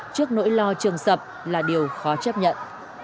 trước nỗi lo trường sập là điều khó chấp nhận